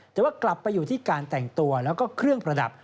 แต่ว่ากลับไปอยู่ที่การแต่งตัวแล้วก็เครื่องประดับ